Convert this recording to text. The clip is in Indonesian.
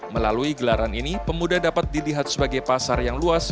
melalui gelaran ini pemuda dapat dilihat sebagai pasar yang luas